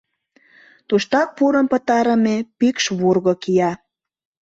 Туштак пурын пытарыме пикш вурго кия.